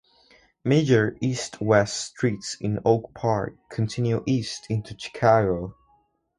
Major east-west streets in Oak Park continue east into Chicago.